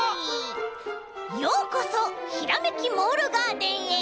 ようこそひらめきモールガーデンへ。